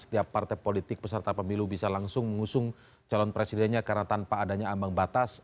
setiap partai politik peserta pemilu bisa langsung mengusung calon presidennya karena tanpa adanya ambang batas